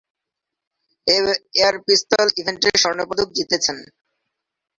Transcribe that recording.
Air পিস্তল ইভেন্টে স্বর্ণ পদক জিতেছেন।